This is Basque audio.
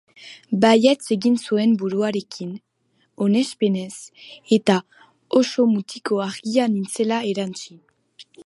Baietz egin zuen buruarekin, onespenez, eta oso mutiko argia nintzela erantsi.